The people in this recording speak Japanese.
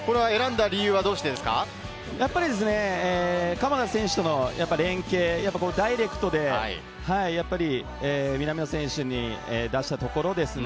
やっぱり鎌田選手との連携、ダイレクトで南野選手に出したところですね。